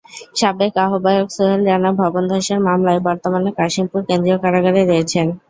সাবেক আহ্বায়ক সোহেল রানা ভবনধসের মামলায় বর্তমানে কাশিমপুর কেন্দ্রীয় কারাগারে রয়েছেন।